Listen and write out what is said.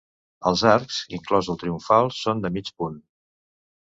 Els arcs, inclòs el triomfal són de mig punt.